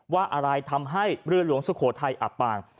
ว่าอะไรทำให้เรือหลวงสุโขทัยอับปาง